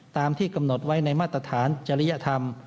ตามที่กำหนดไว้ในมาตรฐานจริยธรรม